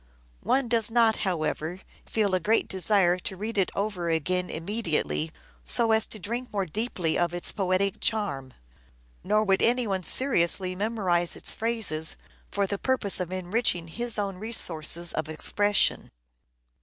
One does not, however, feel a great desire to read it over again immediately so as to drink more deeply of its poetic charm ; nor would any one seriously memorize its phrases for the purpose of enriching his own resources of expression.